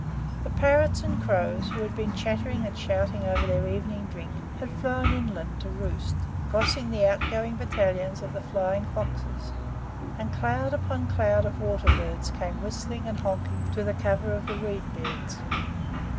The parrots and crows, who had been chattering and shouting over their evening drink, had flown inland to roost, crossing the out going battalions of the flying foxes; and cloud upon cloud of water birds came whistling and "honking" to the cover of the reed beds.